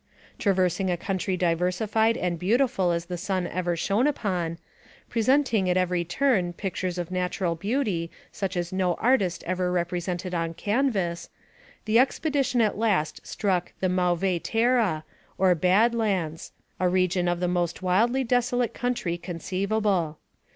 Traversing a country diversified and beautiful as the sun ever shone upon, presenting at every turn pictures of natural beauty, such as no artist ever represented on canvas, the expedition at last struck the "Mauvais Terra/ 7 or Bad Lands, a region of the most wildly desolate country conceivable.